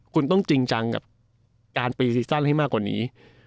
คุณต้องจริงจังกับการปีซีซั่นให้มากกว่านี้